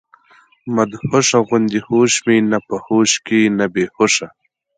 مدهوشه غوندي هوش مي نۀ پۀ هوش کښې نۀ بي هوشه